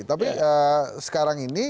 tapi sekarang ini